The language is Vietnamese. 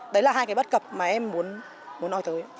đấy là hai cái bất cập mà em muốn nói tới